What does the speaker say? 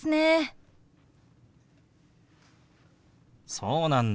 そうなんだ。